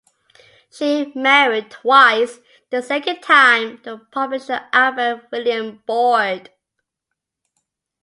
She married twice, the second time to the publisher Alfred William Board.